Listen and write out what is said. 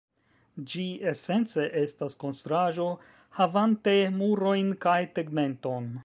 Ĝi esence estas konstruaĵo, havante murojn kaj tegmenton.